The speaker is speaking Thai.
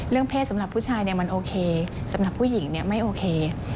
เรื่องเพศสำหรับผู้ชายเนี่ยมันโอเคสำหรับผู้หญิงเนี่ยไม่โอเค